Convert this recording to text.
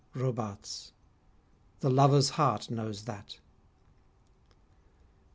ROBARTES The lovers' heart knows that.